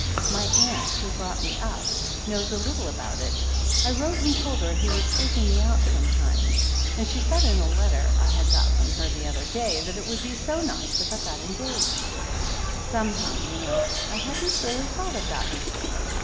"My aunt, who brought me up, knows a little about it — I wrote and told her he was taking me out some times — ^and she said in a letter I had from her the other day that it would be so nice if I got engaged. Some how, you know, I hadn't really thought of that before.